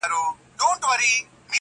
نو نن~